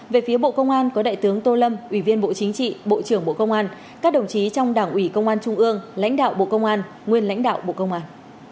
về phía bộ công an có đại tướng tô lâm ủy viên bộ chính trị bộ trưởng bộ công an các đồng chí trong đảng ủy công an trung ương lãnh đạo bộ công an nguyên lãnh đạo bộ công an